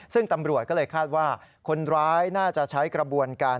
ซึ่งตำรวจก็เลยคาดว่าคนร้ายน่าจะใช้กระบวนการ